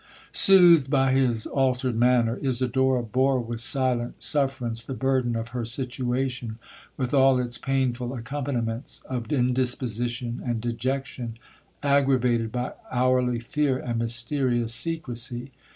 'Soothed by his altered manner, Isidora bore with silent sufferance the burden of her situation, with all its painful accompaniments of indisposition and dejection, aggravated by hourly fear and mysterious secresy.